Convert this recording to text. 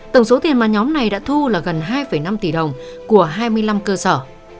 tổng số tiền mà nhóm này đã thu là gần hai năm tỷ đồng của hai mươi năm cơ sở